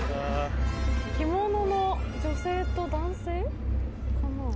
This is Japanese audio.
着物の女性と男性？かな？